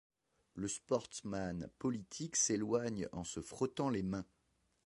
Le sportsman politique s’éloigne en se frottant les mains.